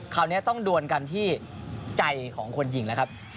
คราวนี้ต้องดวนกันที่ใจของคนหญิงแล้วครับ